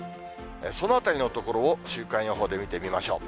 そのあたりのところを、週間予報で見てみましょう。